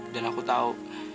dan aku tahu